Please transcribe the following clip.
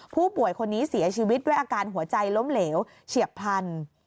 ผู้ป่วยคนนี้เสียชีวิตด้วยอาการหัวใจล้มเหลวเฉียบพลัน